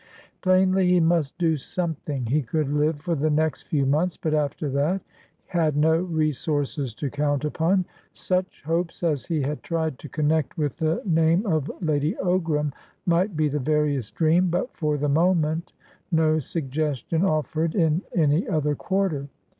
Plainly, he must do something. He could live for the next few months, but, after that, had no resources to count upon. Such hopes as he had tried to connect with the name of Lady Ogram might be the veriest dream, but for the moment no suggestion offered in any other quarter.